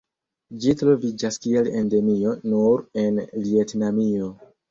Ĝi troviĝas kiel endemio nur en Vjetnamio.